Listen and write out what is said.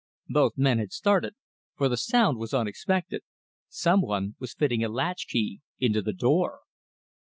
Both men had started, for the sound was unexpected. Some one was fitting a latch key into the door!